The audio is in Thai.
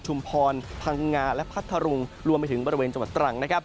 พรพังงาและพัทธรุงรวมไปถึงบริเวณจังหวัดตรังนะครับ